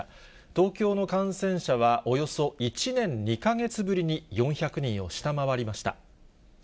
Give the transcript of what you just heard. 東京の感染者はおよそ１年２か月ぶりに４００人を下回りました。